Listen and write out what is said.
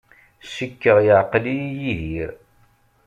Cikkeɣ yeɛqel-iyi Yidir.